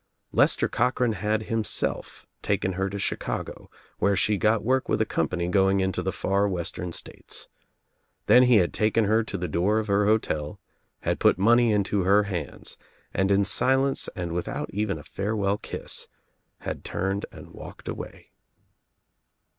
Lester Cochran had himself taken her to Chicago where she got work with a company going into the far western states. Then he had taken her to the door of her hotel, had put money into her hands and in silence and without even a farewell kiss had turned and walked away.